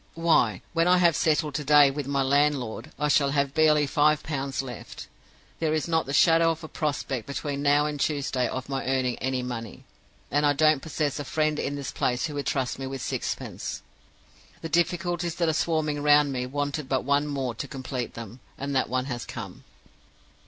Why, when I have settled to day with my landlord, I shall have barely five pounds left! There is not the shadow of a prospect between now and Tuesday of my earning any money; and I don't possess a friend in this place who would trust me with sixpence. The difficulties that are swarming round me wanted but one more to complete them, and that one has come.